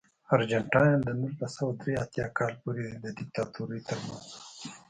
ارجنټاین د نولس سوه درې اتیا کال پورې د دیکتاتورۍ ترمنځ و.